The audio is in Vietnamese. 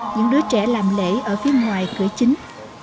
những đứa trẻ làm lễ ở phía ngoài cửa chính